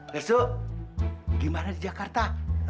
restu gimana di jakarta